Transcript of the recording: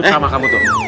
sama kamu tuh